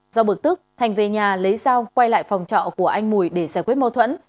do bực tức thành về nhà lấy dao quay lại phòng trọ của anh mùi để giải quyết mâu thuẫn